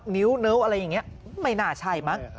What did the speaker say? นิ้วอะไรอย่างนี้ไม่น่าใช่มั้ง